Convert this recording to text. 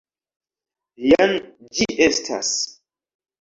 Jen ĝi estas: